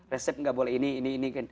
resep nggak boleh ini ini ini